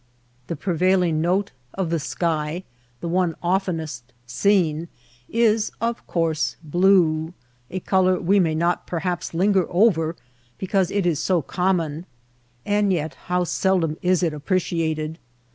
The prevailing note of the sky, the one of tenest seen, is, of course, blue — a color we may DESEET SKY AND CLOUDS 97 not perhaps linger over because it is so com mon. And yet how seldom it is appreciated